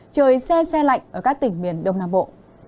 trời xe xe lạnh ở các tỉnh miền đông nam bộ